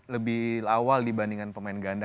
lebih awal dibandingkan pemain ganda